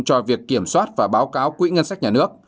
cho việc kiểm soát và báo cáo quỹ ngân sách nhà nước